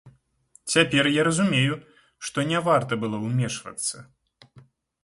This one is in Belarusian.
Цяпер я разумею, што не варта было ўмешвацца.